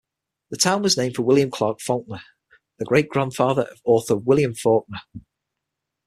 The town was named for William Clark Falkner, the great-grandfather of author William Faulkner.